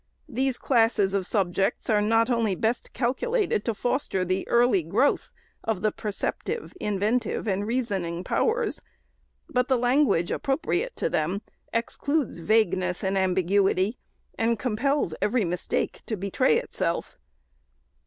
These classes of subjects are not only best calcu lated to foster the early growth of the perceptive, inven tive and reasoning powers ; but the language appropriate to them excludes vagueness and ambiguity, and compels every mistake to betray itself.